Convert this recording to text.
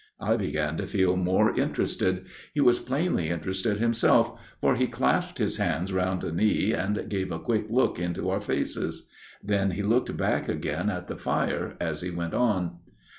I began to feel more interested. He was plainly interested him self, for he clasped his hands round a knee, and gave a quick look into our faces. Then he looked back again at the fire as he went on.